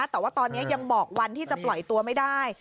แต่ว่าตอนนี้ยังเหมาะวันที่จะปล่อยตัวไม่ได้